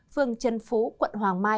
phường trần phú quận hoàng mai